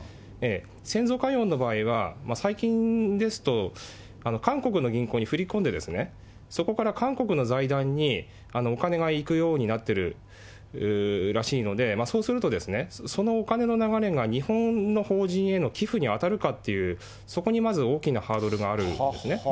先祖解怨の場合は、最近ですと、韓国の銀行に振り込んでですね、そこから韓国の財団にお金が行くようになってるらしいので、そうするとですね、そのお金の流れが日本の法人への寄付に当たるかっていう、そこにまず大きなハードルがあるんですね。